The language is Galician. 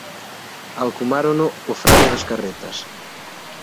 Alcumárono "o frade das carretas".